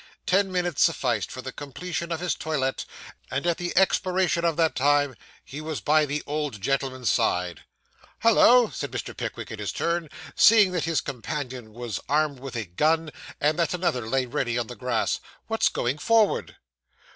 Ten minutes sufficed for the completion of his toilet, and at the expiration of that time he was by the old gentleman's side. 'Hollo!' said Mr. Pickwick in his turn, seeing that his companion was armed with a gun, and that another lay ready on the grass; 'what's going forward?